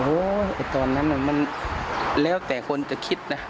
ตอนนั้นมันแล้วแต่คนจะคิดนะ